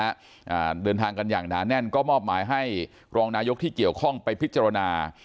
อ่าเดินทางกันอย่างหนาแน่นก็มอบหมายให้รองนายกที่เกี่ยวข้องไปพิจารณา